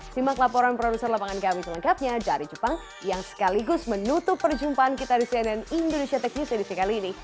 simak laporan produser lapangan kami selengkapnya dari jepang yang sekaligus menutup perjumpaan kita di cnn indonesia tech news edisi kali ini